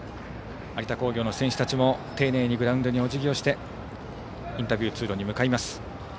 有田工業の選手たちも丁寧にグラウンドにおじぎをしてインタビュー通路に向かいます。